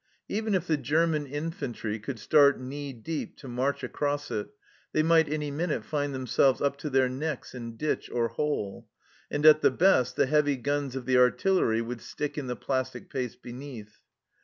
Even if the German infantry could start knee deep to march across it, they might any minute find them selves up to their necks in ditch or hole, and at the best the heavy guns of the artillery would stick in the plastic paste beneath.